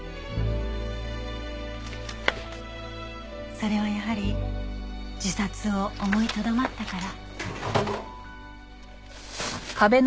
それはやはり自殺を思いとどまったから。